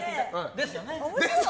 ですよね？